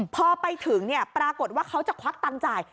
พอไปถึงปรากฏว่าเขาจะควักตังค์จ่าย